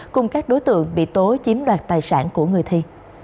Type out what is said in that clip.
cùng các đối tượng bị tố chiếm đoạt tài sản của người thi